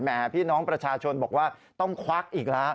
พี่น้องประชาชนบอกว่าต้องควักอีกแล้ว